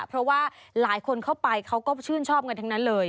เพราะว่าหลายคนเข้าไปเขาก็ชื่นชอบกันทั้งนั้นเลย